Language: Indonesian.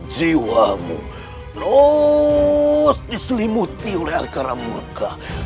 jiwamu terus diselimuti oleh agara murka